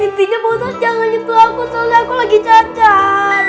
intinya busan jangan jatuh aku soalnya aku lagi cacat